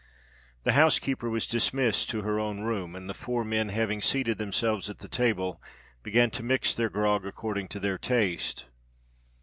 The housekeeper was dismissed to her own room: and the four men, having seated themselves at the table, began to mix their grog according to their taste.